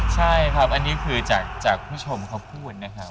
ใช่ครับอันนี้คือจากผู้ชมเขาพูดนะครับ